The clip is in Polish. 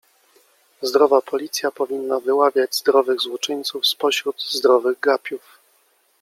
Zdrowa policja powinna wyławiać zdrowych złoczyńców spośród zdrowych gapiów.